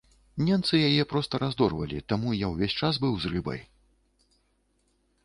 Ненцы яе проста раздорвалі, таму я ўвесь час быў з рыбай.